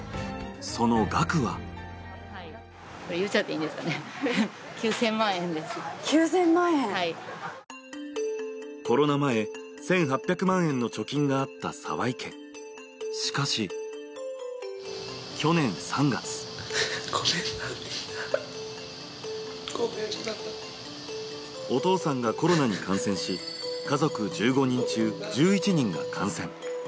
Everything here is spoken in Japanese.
その額はコロナ前、１８００万円の貯金があった澤井家、しかし、去年３月お父さんがコロナに感染し、家族１５人中、１１人が感染。